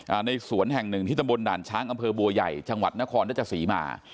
ในสวนแห่งหนึ่งที่ตำบลด่านช้างอำเภอบัวใหญ่จังหวัดนครราชสีมา